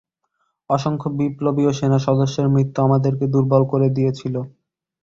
অসংখ্য বিপ্লবী এবং সেনা সদস্যদের মৃত্যু আমাদেরকে দূর্বল করে দিয়েছিল।